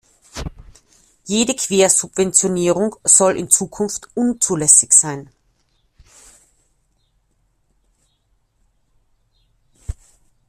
Jede Quersubventionierung soll in Zukunft unzulässig sein.